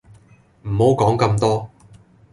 唔好講咁多